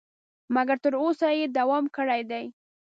مګر تر اوسه یې دوام کړی دی.